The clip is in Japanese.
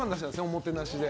おもてなしで。